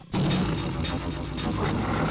bang abang mau nelfon siapa sih